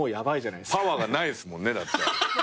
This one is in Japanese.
パワーがないっすもんねだって。